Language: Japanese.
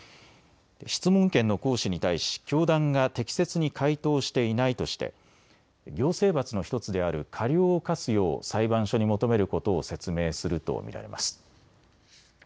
質問権の行使に対し教団が適切に回答していないとして行政罰の１つである過料を科すよう裁判所に求めることを説明すると見られます。